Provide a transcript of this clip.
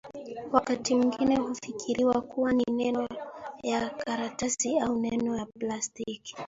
Wakati mwengine hufikiriwa kuwa ni meno ya karatasi au meno ya plastiki